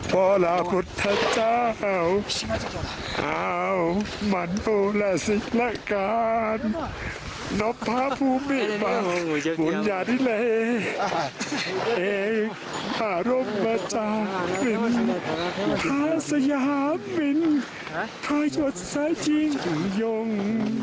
พระรบราชาวินพระสยามินพระหยดสายจริงยง